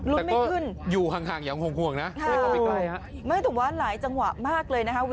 รุ้นไม่ขึ้นอยู่ห่างอย่างห่วงนะใช่ไหมตลอดไปใกล้ไม่ถูกว่าหลายจังหวะมากเลยนะคะ